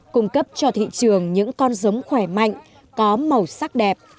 cung cấp cho thị trường những con giống khỏe mạnh có màu sắc đẹp